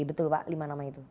betul pak lima nama itu